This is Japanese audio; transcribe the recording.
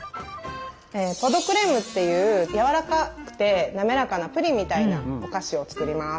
「ポ・ド・クレーム」っていうやわらかくて滑らかなプリンみたいなお菓子を作ります。